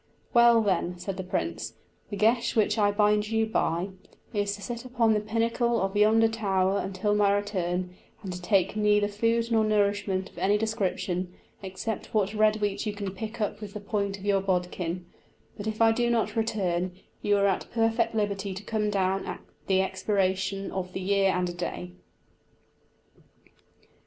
"Well, then," said the prince, "the geis which I bind you by, is to sit upon the pinnacle of yonder tower until my return, and to take neither food nor nourishment of any description, except what red wheat you can pick up with the point of your bodkin; but if I do not return, you are at perfect liberty to come down at the expiration of the year and a day."